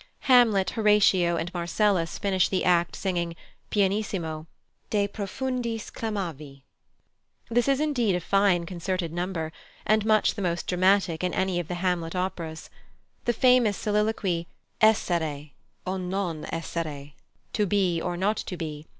Hamlet, Horatio, and Marcellus finish the act singing, pianissimo, "De profundis clamavi." This is indeed a fine concerted number, and much the most dramatic in any of the Hamlet operas. The famous soliloquy, "Essere, o non essere!" ("To be, or not to be!")